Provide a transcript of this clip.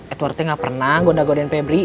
edwardnya gak pernah gonda godain febri